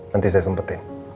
nanti saya sempetin